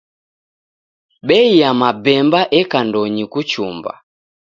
Bei ya mabemba eka ndonyi kuchumba.